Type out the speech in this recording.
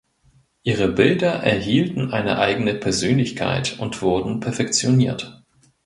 Ihre Bilder erhielten eine eigene Persönlichkeit und wurden perfektioniert.